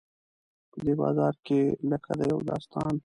په دې بازار کې لکه د یو داستان.